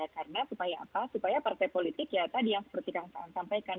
karena supaya partai politik yang seperti kang saad sampaikan